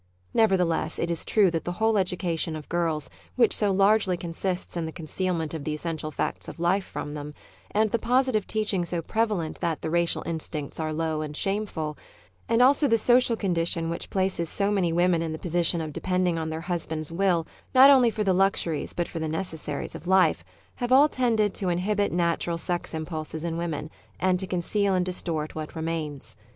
_ Nevertheless it is true that the whole education of girls, which so largely consists in the concealment of the essential facts of life from them; and the positive teachmg so prevalent that the racial instincts are low and shameful; and also the social condition which places so many women in the position of depending on their husband's will not only for the luxuries but for the necessaries of life, have all tended to inhibit natural sex impulses in women, and to conceal and distort what remains.